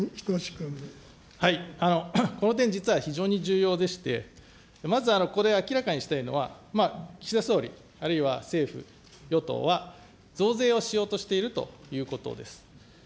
この点、実は非常に重要でして、まずここで明らかにしたいのは、岸田総理、あるいは政府・与党は、増税をしようとしているということです。